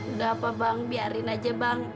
udah apa bang biarin aja bang